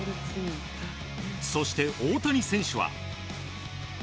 そして、大谷選手は。